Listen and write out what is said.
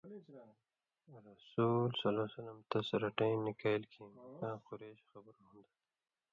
رسولؐ تَس رَٹیں نِکَیل کھیں مَکاں قریش خبر ہُون٘دہۡ۔